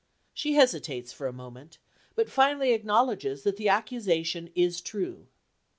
She hesitates for a moment, but finally acknowledges that the accusation is true.